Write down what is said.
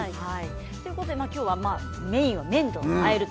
今日のメインは麺とあえます。